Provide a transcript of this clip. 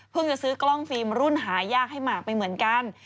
จะซื้อกล้องฟิล์มรุ่นหายากให้หมากไปเหมือนกัน